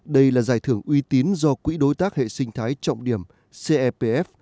đây là giải thưởng uy tín do quỹ đối tác hệ sinh thái trọng điểm cepf